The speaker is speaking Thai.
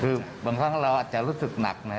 คือบางครั้งเราอาจจะรู้สึกหนักนะ